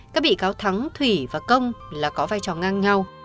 các bị cáo thắng thủy và công là có vai trò ngang nhau